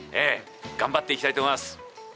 頑張っていきたいと思います。